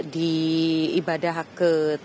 di ibadah ke tujuh